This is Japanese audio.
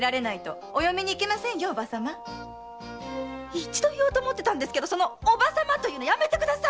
一度言おうと思ってたんですけどその「おば様」はやめてください！